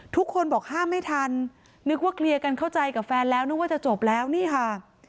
ทุกคนบอกห้ามไม่ทันนึกว่าเคลียร์กันเข้าใจกับแฟนแล้วนึกว่าจะจบแล้วนี่ค่ะ